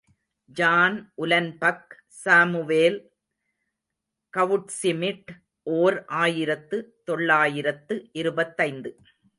John Uhlenbeck, Samuel Goudsmit, ஓர் ஆயிரத்து தொள்ளாயிரத்து இருபத்தைந்து.